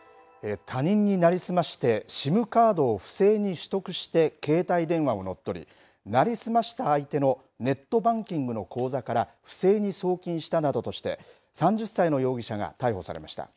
他人に成り済ましてＳＩＭカードを不正に取得して携帯電話を乗っ取り成り済ました相手のネットバンキングの口座から不正に送金したなどとして３０歳の容疑者が逮捕されました。